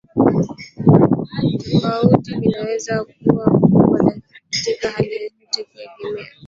tofauti vinaweza kuwa kubwa lakini katika hali yoyote kuegemea